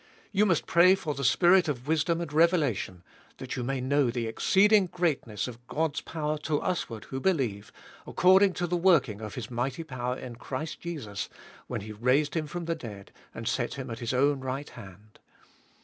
You must pray for the Spirit of wisdom and revelation, that you may know the exceeding greatness of God's power to us ward who believe, according to the working of His mighty power in Christ Jesus, when He raised Him from the dead and set Him at His own right hand.